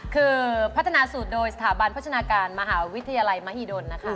คือพัฒนาสูตรโดยสถาบันพัฒนาการมหาวิทยาลัยมหิดลนะคะ